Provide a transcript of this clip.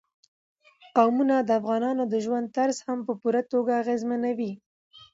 قومونه د افغانانو د ژوند طرز هم په پوره توګه اغېزمنوي.